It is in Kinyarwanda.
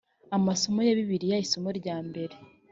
amasomo ya bibiliya isomo rya mbere